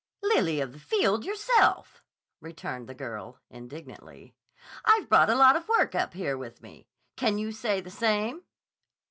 "Lily of the field, yourself!" returned the girl indignantly. "I've brought a lot of work up here with me. Can you say the same?"